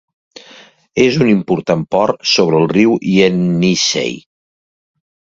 És un important port sobre el riu Ienissei.